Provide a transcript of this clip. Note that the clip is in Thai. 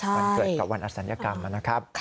ใช่ค่ะค่ะวันเกิดกับวันอสัญกรรมนะครับ